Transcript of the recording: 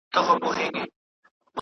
هغه د تور چای په څښلو بوخت دی.